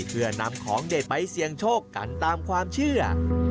เพื่อนำของเด็ดไปเสี่ยงโชคกันตามความเชื่อ